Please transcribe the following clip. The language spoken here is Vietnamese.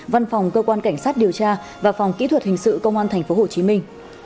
văn phòng cơ quan cảnh sát điều tra và phòng kỹ thuật hình sự công an tp hồ chí minh